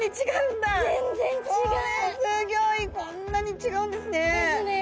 こんなに違うんですね。ですね。